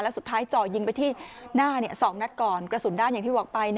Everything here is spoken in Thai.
สุดท้ายเจาะยิงไปที่หน้า๒นัดก่อนกระสุนด้านอย่างที่บอกไป